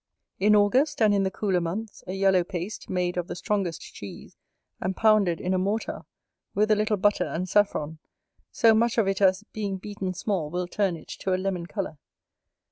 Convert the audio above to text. In August, and in the cooler months, a yellow paste, made of the strongest cheese, and pounded in a mortar, with a little butter and saffron, so much of it as, being beaten small, will turn it to a lemon colour.